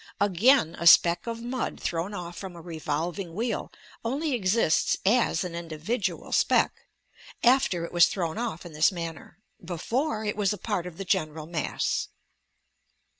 Again, a speck of mud thrown off from a revolving wheel only exists as an individual speck, after it was thrown off in this manner; before, it waa a part of the general mass.